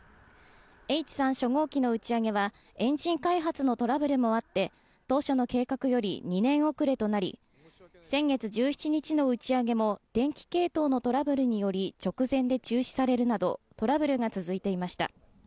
Ｈ３初号機の打ち上げはエンジン開発のトラブルもあって、当初の計画より２年遅れとなり、先月１７日の打ち上げも電気系統のトラブルにより直前で中止されるなどトラブルが続いていました。